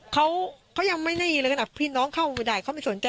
เขาเขายังไม่ได้เลยนะพี่น้องเข้ามันไปได้เขาไม่สนใจ